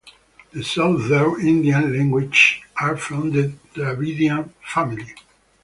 The southern Indian languages are from the Dravidian family.